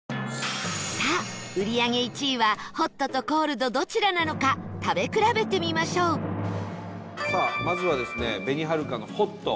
さあ、売り上げ１位はホットとコールド、どちらなのか食べ比べてみましょう伊達：まずはですね、紅はるかのホット。